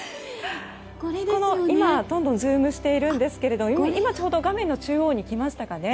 今、どんどんズームしてたんですが画がちょうど画面の中央に来ましたかね。